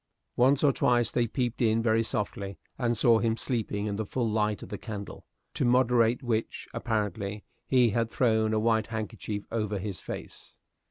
Once or twice they peeped in very softly, and saw him sleeping in the full light of the candle, to moderate which, apparently, he had thrown a white handkerchief over his face.